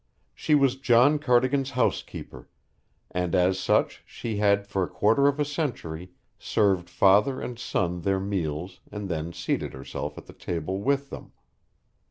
She was John Cardigan's housekeeper, and as such she had for a quarter of a century served father and son their meals and then seated herself at the table with them.